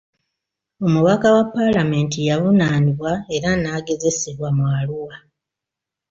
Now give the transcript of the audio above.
Omubaka wa palamenti yavunaanibwa era n'agezesebwa mu Arua.